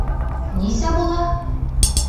Нисә була?